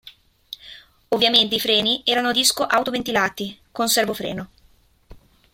Ovviamente i freni erano a disco autoventilati, con servofreno.